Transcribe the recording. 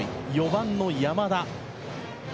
４番の山田。